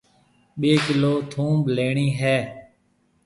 ٻي ڪلو ٿونڀ ليڻِي هيَ۔